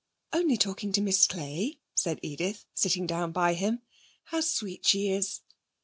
'Only talking to Miss Clay,' said Edith, sitting down by him. 'How sweet she is.'